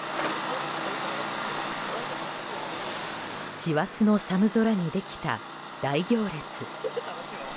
師走の寒空にできた大行列。